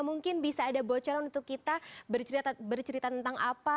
mungkin bisa ada bocoran untuk kita bercerita tentang apa